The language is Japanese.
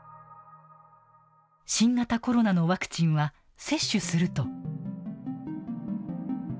新型コロナのワクチンは接種すると。